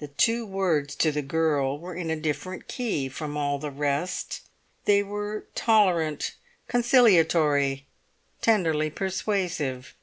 The two words to the girl were in a different key from all the rest. They were tolerant, conciliatory, tenderly persuasive.